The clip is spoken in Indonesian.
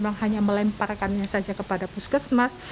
memang hanya melemparkannya saja kepada puskesmas